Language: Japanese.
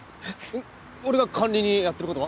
俺が管理人やってる事は？